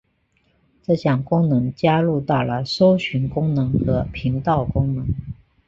这项功能加入到了搜寻功能和频道功能。